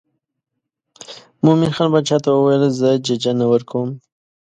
مومن خان باچا ته وویل زه ججه نه ورکوم.